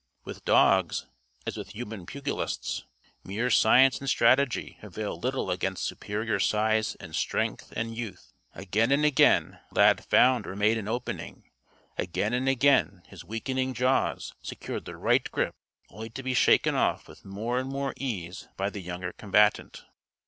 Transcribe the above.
With dogs, as with human pugilists, mere science and strategy avail little against superior size and strength and youth. Again and again Lad found or made an opening. Again and again his weakening jaws secured the right grip only to be shaken off with more and more ease by the younger combatant.